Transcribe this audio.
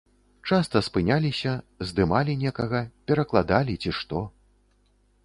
Часта спыняліся, здымалі некага, перакладалі, ці што.